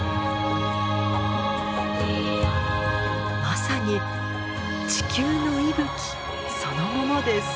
まさに地球の息吹そのものです。